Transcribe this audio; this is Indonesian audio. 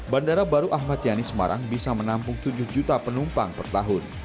bandara baru ahmad yani semarang bisa menampung tujuh juta penumpang per tahun